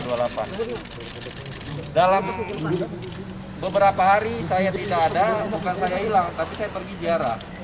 dalam beberapa hari saya tidak ada bukan saya hilang tapi saya pergi ziarah